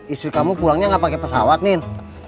istri kamu pulangnya gak pake pesawat nin